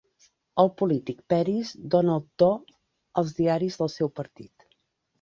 El polític Peris dona el to als diaris del seu partit.